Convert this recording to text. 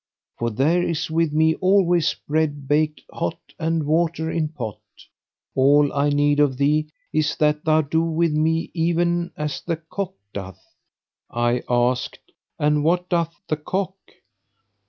for there is with me always bread baked hot and water in pot. All I need of thee is that thou do with me even as the cock doth." I asked "And what doth the cock?"